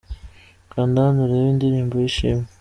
Kanda hano urebe indirimbo ye "Ishimwe"